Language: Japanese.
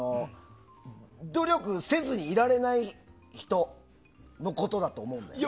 努力せずにいられない人のことだと思うんだよ。